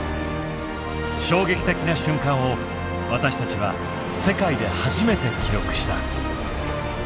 衝撃的な瞬間を私たちは世界で初めて記録した。